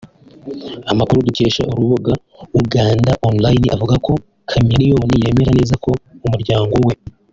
Amakuru dukesha urubuga ugandaonline avuga ko Chameleone yemera neza ko umuryango we